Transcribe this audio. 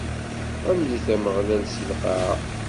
Ḥemdet Ameɣlal si lqaɛa.